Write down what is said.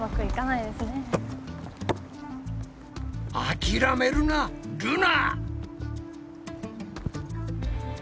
諦めるなルナ！